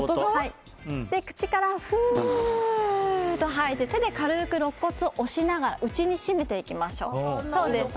口からふーっと吐いて手で軽くろっ骨を押しながら内に締めていきましょう。